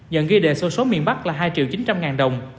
nhận ghi đề số số miền bắc là hai triệu chín trăm linh ngàn đồng